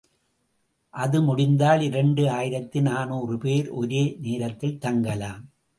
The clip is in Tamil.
அது முடிந்தால் இரண்டு ஆயிரத்து நாநூறு பேர் ஒரே நேரத்தில் தங்கலாம்.